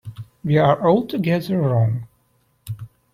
We are altogether wrong.